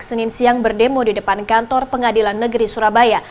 senin siang berdemo di depan kantor pengadilan negeri surabaya